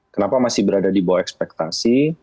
kenapa masih berada di bawah ekspektasi